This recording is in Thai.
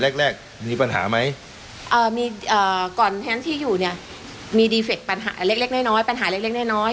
แรกแรกมีปัญหาไหมเอ่อมีเอ่อก่อนแท้ที่อยู่เนี่ยมีปัญหาเล็กเล็กน้อยน้อย